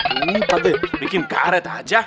ini pade bikin karet aja